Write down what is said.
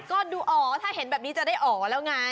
ก็ดูอ๋อถ้าเห็นแบบนี้จะได้อ๋อแล้วไง